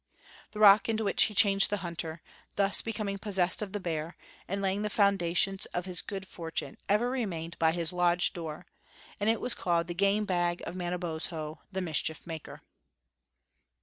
The rock into which he changed the hunter, thus becoming possessed of the bear, and laying the foundations of his good fortune, ever after remained by his lodge door, and it was called the Game Bag of Mana bozho, the Mischief Maker.